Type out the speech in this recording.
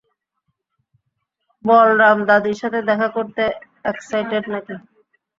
বলরাম, দাদীর সাথে দেখা করতে এক্সাইটেড নাকি?